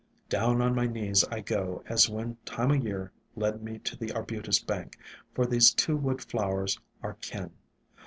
Down on my knees I go as when Time o' Year led me to the Arbutus bank, for these two wood flowers are kin.